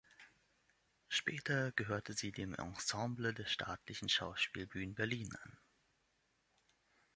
Später gehörte sie dem Ensemble der Staatlichen Schauspielbühnen Berlin an.